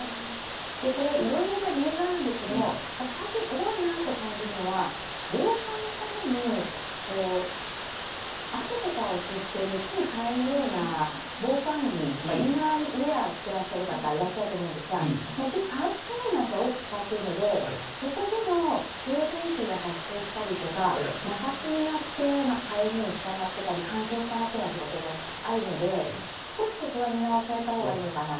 これ、色々な理由があるんですが最近、多いなと感じるのは防寒のために汗とかを吸って熱に変えるような防寒着、インナーウェアを着ていらっしゃる方多いと思うんですが一緒に化学繊維などを多く使っているのでそこでの静電気が発生したりとか摩擦によってかゆみにつながっていたり乾燥につながっているということもあるので少しそこは見直されたほうがいいのかなと。